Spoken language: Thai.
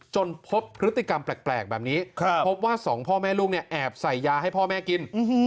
จนพบพฤติกรรมแปลกแบบนี้พบว่าสองพ่อแม่ลูกเนี่ยแอบใส่ยาให้พ่อแม่กิน